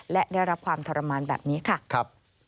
และได้รับความทรมานแบบนี้ค่ะ